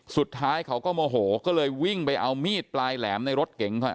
สุดท้ายเขาก็โมโหก็เลยวิ่งไปเอามีดปลายแหลมในรถเก๋งค่ะ